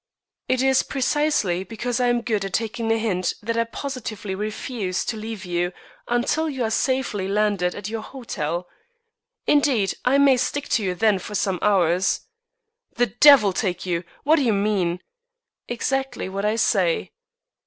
"It is precisely because I am good at taking a hint that I positively refuse to leave you until you are safely landed at your hotel. Indeed, I may stick to you then for some hours." "The devil take you! What do you mean?" "Exactly what I say."